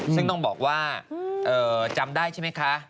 ซึ่งต้องบอกว่าจำได้ใช่ไหมคะ